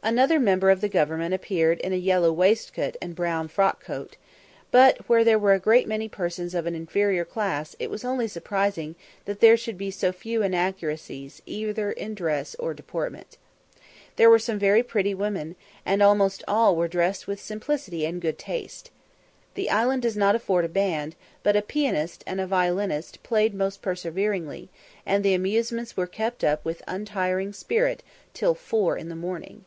Another member of the government appeared in a yellow waistcoat and brown frock coat; but where there were a great many persons of an inferior class it was only surprising that there should be so few inaccuracies either in dress or deportment. There were some very pretty women, and almost all were dressed with simplicity and good taste. The island does not afford a band, but a pianist and violinist played most perseveringly, and the amusements were kept up with untiring spirit till four in the morning.